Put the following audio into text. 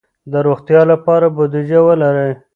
د روغتیا لپاره بودیجه ولرئ.